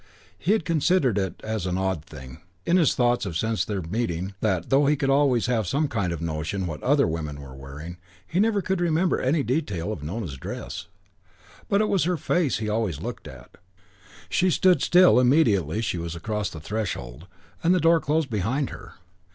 He had considered it as an odd thing, in his thoughts of her since their meeting, that, though he could always have some kind of notion what other women were wearing, he never could remember any detail of Nona's dress. But it was her face he always looked at. She stood still immediately she was across the threshold and the door closed behind her.